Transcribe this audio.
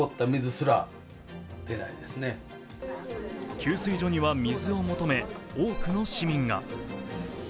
給水所には水を求め、多くの市民が。